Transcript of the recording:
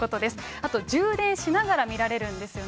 あと充電しながら見られるんですよね。